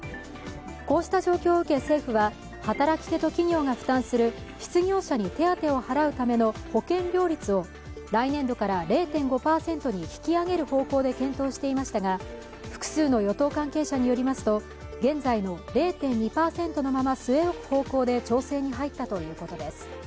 こうした状況を受け、政府は働き手と企業が負担する失業者に手当を払うための保険料率を来年度から０．５％に引き上げる方向で検討していましたが、複数の与党関係者によりますと現在の０．２％のまま据え置く方向で調整に入ったということです。